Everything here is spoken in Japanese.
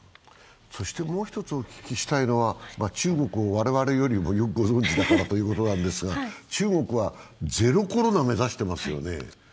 そしてもう一つお聞きしたいのは、中国を我々よりもよくご存じかなということなんですが、中国はゼロコロナを目指してますよね。